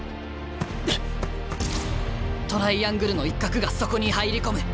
トライアングルの一角がそこに入り込む。